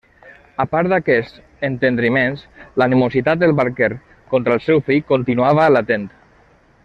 A part d'aquests entendriments, l'animositat del barquer contra el seu fill continuava latent.